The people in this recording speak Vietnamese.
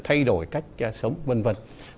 thay đổi cách sống vân vân